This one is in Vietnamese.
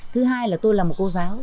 thứ hai là tôi là một cô giáo